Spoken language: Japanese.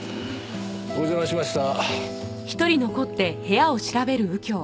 お邪魔しました。